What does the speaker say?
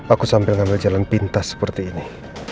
aku sambil ngambil jalan pintas seperti ini